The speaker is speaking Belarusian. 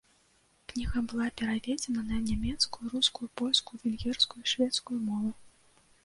Кніга была пераведзена на нямецкую, рускую, польскую, венгерскую і шведскую мовы.